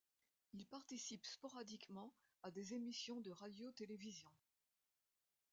Il participe sporadiquement à des émissions de radio-télévision.